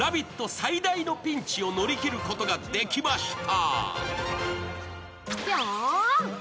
最大のピンチを乗り切ることができました。